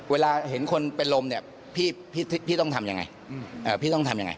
เวลาเห็นคนเป็นลมเนี่ย